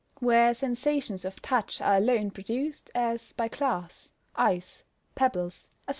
Where sensations of touch are alone produced, as by glass, ice, pebbles, &c.